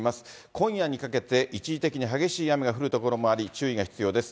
今夜にかけて、一時的に激しい雨が降る所もあり、注意が必要です。